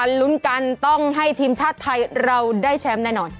ลุ้นกันต้องให้ทีมชาติไทยเราได้แชมป์แน่นอน